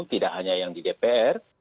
tidak hanya yang di dpr